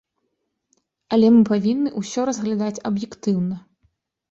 Але мы павінны ўсё разглядаць аб'ектыўна.